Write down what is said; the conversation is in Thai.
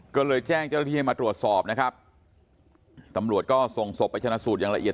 ก็เลยแจ้งเจ้าหน้าที่ให้มาตรวจสอบนะครับตำรวจก็ส่งศพไปชนะสูตรอย่างละเอียด